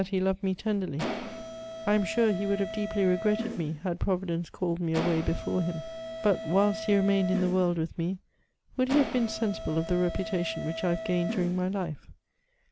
M 162 MEMOIRS OF he loved me tenderly : I am sure he would have deeply re gretted me, had Proyidence called me away before bun. But, whilst he remained in the world with me, would he have been sensible of the reputation which I have gained during my life?